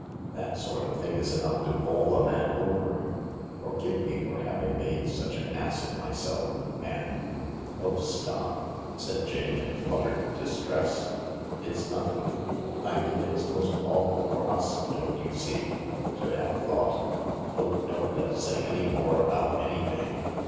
That sort of thing is enough to bowl a man over. Forgive me for having made such an ass of myself — and ——" Oh, stop !" said Jane in fluttered distress. " It's noth ing. I mean it's most awful for us, don't you see— to have thought .*. Oh, don't let's say any more about any thing.